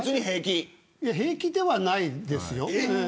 平気ではないですよ。